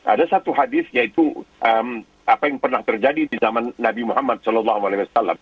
ada satu hadis yaitu apa yang pernah terjadi di zaman nabi muhammad saw